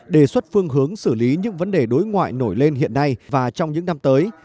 đề xuất phương hướng xử lý những vấn đề đối ngoại nổi lên hiện nay và trong những năm tới